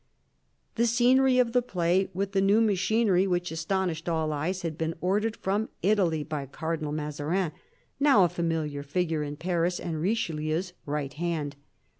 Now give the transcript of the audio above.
The scenery of the play, with the new machinery which astonished all eyes, had been ordered from Italy by Cardinal Mazarin, now a familiar figure in Paris and Richelieu's right hand.